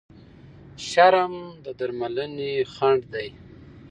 شرم د درملنې خنډ دی.